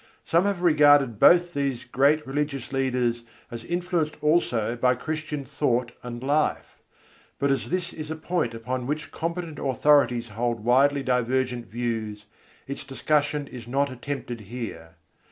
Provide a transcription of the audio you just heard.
Some have regarded both these great religious leaders as influenced also by Christian thought and life: but as this is a point upon which competent authorities hold widely divergent views, its discussion is not attempted here.